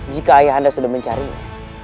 jika ayanda sudah mencarinya